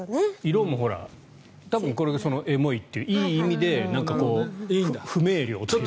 色もこれが多分、エモいっていういい意味で、不明瞭というか。